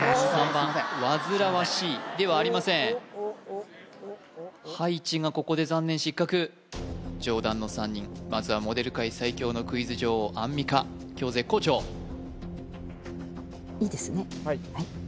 ３番わずらわしいではありません葉一がここで残念失格上段の３人まずはモデル界最強のクイズ女王アンミカ今日絶好調いいですね？